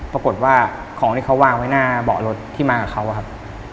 ปรากฏว่าของที่เขาวางไว้หน้าเบาะรถที่มากับเขาอะครับ